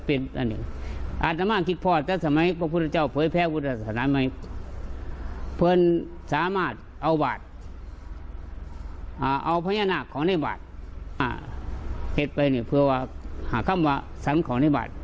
เป็นบาทเอาพญานาคของในบาทเก็บไปเนี่ยเพื่อว่าหาคำว่าฉันขอในบัตร